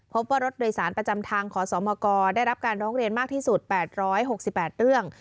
พบว่ารถโดยสารประจำทางขอสมกได้รับการร้องเรียนมากที่สุด๘๖๘เรื่อง